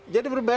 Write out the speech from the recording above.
jadi berbeda lah